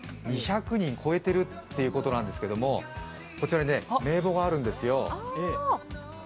２００人超えてるってことなんですけれども、こちらに名簿があるんですよ。